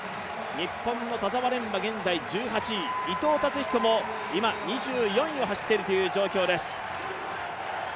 日本の田澤廉は現在１８位、伊藤達彦も今２４位を走っている状況です。